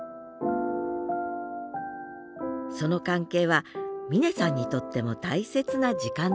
その関係は峰さんにとっても大切な時間でした